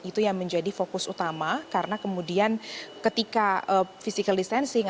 itu yang menjadi fokus utama karena kemudian ketika physical distancing